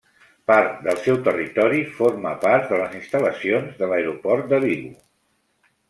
Part del seu territori forma part de les instal·lacions de l'Aeroport de Vigo.